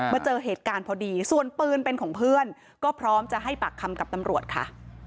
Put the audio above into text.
เจอเหตุการณ์พอดีส่วนปืนเป็นของเพื่อนก็พร้อมจะให้ปากคำกับตำรวจค่ะ